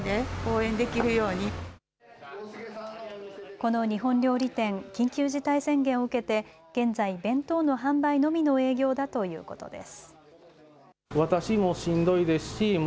この日本料理店、緊急事態宣言を受けて現在、弁当の販売のみの営業だということです。